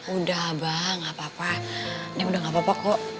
udah abah nggak apa apa nih udah nggak apa apa kok